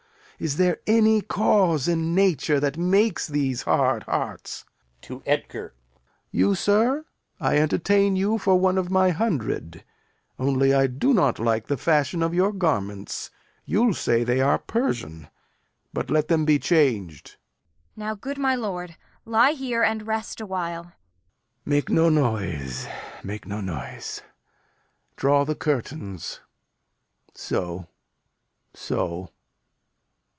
Is there any cause in nature that makes these hard hearts? [To Edgar] You, sir I entertain you for one of my hundred; only I do not like the fashion of your garments. You'll say they are Persian attire; but let them be chang'd. Kent. Now, good my lord, lie here and rest awhile. Lear. Make no noise, make no noise; draw the curtains. So, so, so.